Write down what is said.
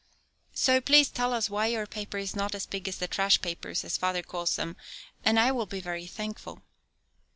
So please tell us why your paper is not so big as the "trash papers," as father calls them, and I will be very thankful.